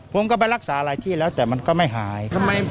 ผมก็ไปรักษาหลายที่แล้วแต่มันก็ไม่หาย